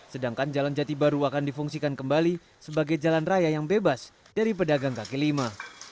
sedangkan jalan jati baru akan difungsikan kembali sebagai jalan raya yang bebas dari pedagang kaki lima